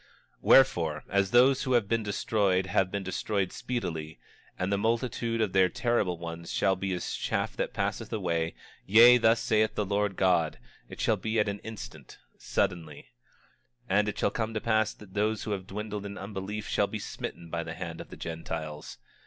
26:18 Wherefore, as those who have been destroyed have been destroyed speedily; and the multitude of their terrible ones shall be as chaff that passeth away—yea, thus saith the Lord God: It shall be at an instant, suddenly— 26:19 And it shall come to pass, that those who have dwindled in unbelief shall be smitten by the hand of the Gentiles.